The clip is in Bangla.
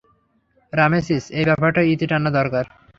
রামেসিস, এই ব্যাপারটার ইতি টানা দরকার।